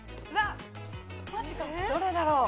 どれだろう？